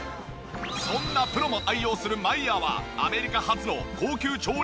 そんなプロも愛用するマイヤーはアメリカ発の高級調理器具ブランド。